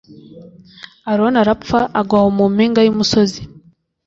aroni arapfa, agwa aho mu mpinga y’umusozi.